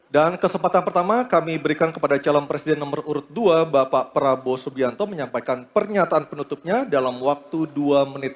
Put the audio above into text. dan kesempatan pertama kami berikan kepada calon presiden nomor urut dua bapak prabowo subianto menyampaikan pernyataan penutupnya dalam waktu dua menit